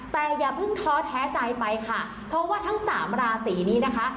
แต่อย่าเพิ่งท้อแท้ใจไปค่ะเพราะว่าทั้งสามราศีนี้นะคะ